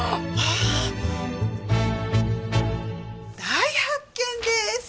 大発見です！